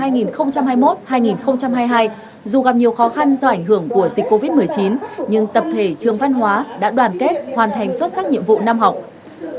năm học hai nghìn hai mươi một hai nghìn hai mươi hai dù gặp nhiều khó khăn do ảnh hưởng của dịch covid một mươi chín nhưng tập thể trường văn hóa đã đoàn kết hoàn thành xuất sắc nhiệm vụ năm học